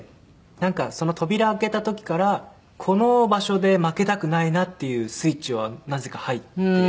なんかその扉開けた時からこの場所で負けたくないなっていうスイッチはなぜか入って。